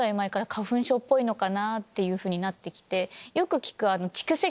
のかな？っていうふうになってきてよく聞く。